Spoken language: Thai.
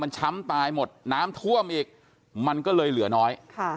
มันช้ำตายหมดน้ำท่วมอีกมันก็เลยเหลือน้อย